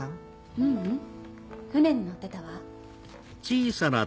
ううん船に乗ってたわ。